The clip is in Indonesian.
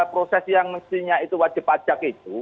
proses yang mestinya itu wajib pajak itu